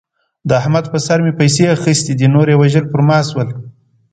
د احمد په سر مې پیسې اخستې دي. نور یې وژل په ما شول.